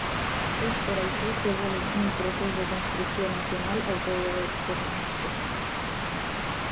És per això que volen un ‘procés de construcció nacional, autodeterminar-se’.